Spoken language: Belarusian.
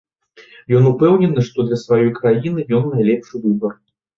Ён упэўнены, што для сваёй краіны ён найлепшы выбар.